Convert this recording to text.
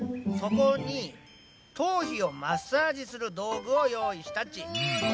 そこに頭皮をマッサージする道具をよういしたっち。